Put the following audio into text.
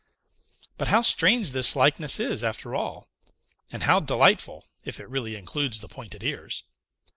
But how strange this likeness is, after all! and how delightful, if it really includes the pointed ears!